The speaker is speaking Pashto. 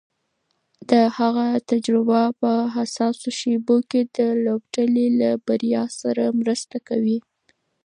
د هغه تجربه په حساسو شېبو کې د لوبډلې له بریا سره مرسته کوي.